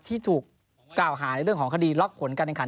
ที่ถูกกล่าวหาในเรื่องของคดีล็อกผลการแข่งขัน